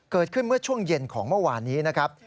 เกิดขึ้นเมื่อช่วงเย็นของเมื่อวานนี้นะครับ